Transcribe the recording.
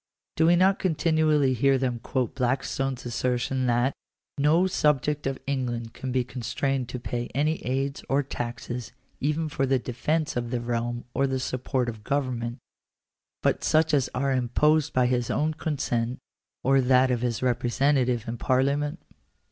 Do we not continually hear them quote Blackstone's assertion that " no subject of England can be constrained to pay any ai&a_jM? taxes even for the defence of the realm or the support of government, but such as are imposed by his own consent, or that of his representative in parliament